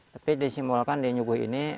tapi disimbolkan di nyuguh ini